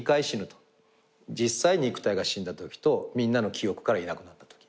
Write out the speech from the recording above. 実際肉体が死んだ時とみんなの記憶からいなくなった時。